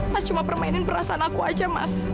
mas cuma permainin perasaan aku saja mas